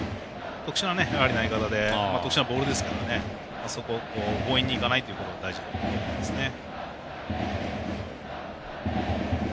特殊な投げ方で特殊なボールですからそこを強引にいかないところが大事だと思いますね。